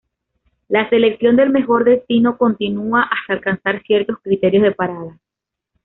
La selección del mejor destino continúa hasta alcanzar ciertos criterios de parada.